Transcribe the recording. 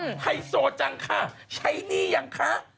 ไฮโซจังค่ะใช้หนี้ยังคะ